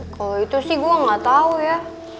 kalau itu sih gue gak tau ya